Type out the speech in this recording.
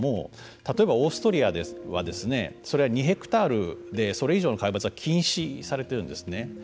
例えば、オーストリアではそれは２ヘクタールでそれ以上の皆伐は禁止されているんですね。